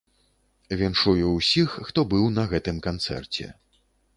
Віншую ўсіх, хто быў на гэтым канцэрце.